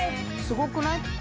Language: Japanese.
すごくない？